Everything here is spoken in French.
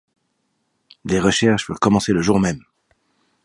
Des recherches furent commencées le jour même